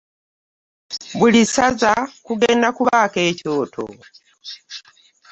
Buli ssaza kugenda kubaako ekyoto.